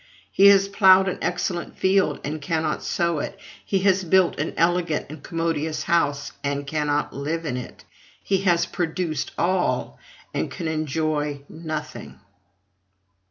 He has ploughed an excellent field, and cannot sow it; he has built an elegant and commodious house, and cannot live in it; he has produced all, and can enjoy nothing.